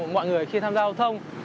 mọi người khi tham gia giao thông